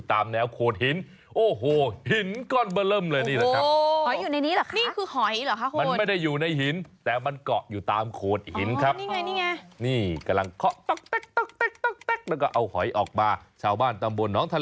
อ้าวเก็บหอย